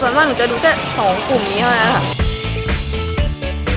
ส่วนมากหนูจะดูแค่๒กลุ่มนี้เท่านั้นค่ะ